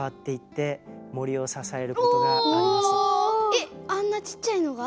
えあんなちっちゃいのが？